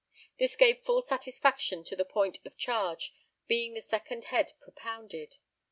This gave full satisfaction to this point of charge, being the second head propounded.